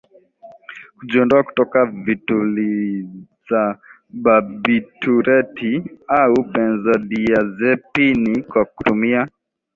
kujiondoa kutoka vitulizibabitureti au benzodiazepini kwa kutumia